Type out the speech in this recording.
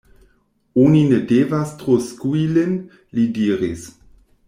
Oni ne devas tro skui lin, li diris.